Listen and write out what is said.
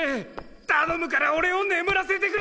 たのむからおれを眠らせてくれ！